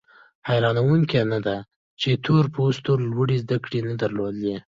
حیرانوونکي نه ده چې تور پوستو لوړې زده کړې نه درلودې.